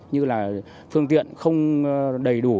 như là phương tiện không đầy đủ